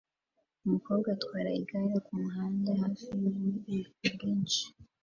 Umukobwa utwara igare kumuhanda hafi yububiko bwinshi